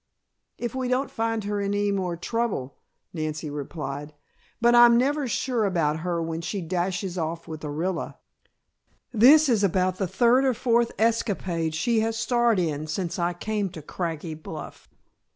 "If we don't find her in any more trouble," Nancy replied. "But I'm never sure about her when she dashes off with Orilla. This is about the third or fourth escapade she has starred in since I came to Craggy Bluff."